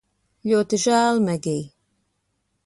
Ļoti žēl, Megij